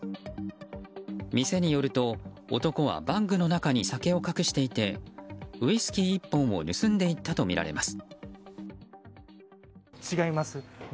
店によると、男はバッグの中に酒を隠していてウイスキー１本を盗んでいったとみられます。